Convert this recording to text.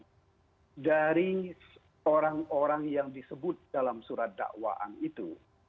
karena dari orang orang yang disebut dalam surat dakwaan itu